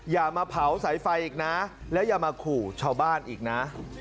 อย่ามาเผาสายไฟอีกนะแล้วอย่ามาขู่ชาวบ้านอีกนะ